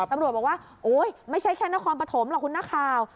ตำรวจบอกว่าโอ๊ยไม่ใช่แค่นครปฐมหรอกคุณนักข่าว